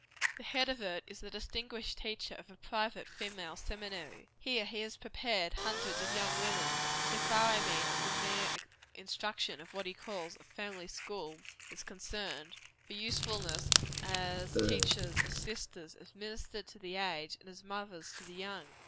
The head of it is the distinguished teacher of a private female seminary. Here he has prepared hundreds of young women so far, I mean, as the mere instruction of what he calls a "family school," is concerned for usefulness as teachers, as sisters, as ministers to the aged, and as mothers to the young.